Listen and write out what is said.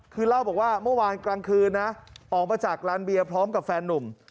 คือเล่าบอกว่าเมื่อวานกลางคืนนะออกมาจากร้านเบียร์พร้อมกับแฟนนุ่ม